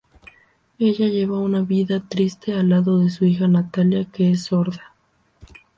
Ella lleva una vida triste al lado de su hija Natalia que es sorda.